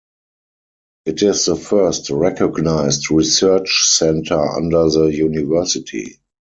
It is the first recognized research center under the university.